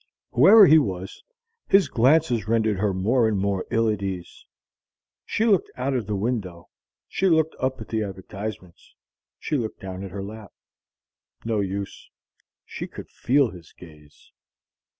Whoever he was, his glances rendered her more and more ill at ease. She looked out of the window, she looked up at the advertisements, she looked down at her lap. No use: she could feel his gaze.